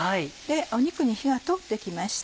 肉に火が通って来ました。